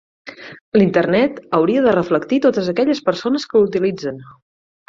L'Internet hauria de reflectir totes aquelles persones que l'utilitzen.